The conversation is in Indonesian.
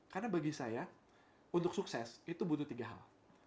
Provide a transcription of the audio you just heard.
karena bagi saya untuk sukses itu butuh tiga hal